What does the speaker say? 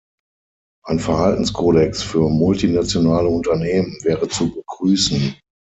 Ein Verhaltenskodex für multinationale Unternehmen wäre zu begrüßen.